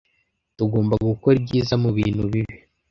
Tugomba gukora ibyiza mubintu bibi.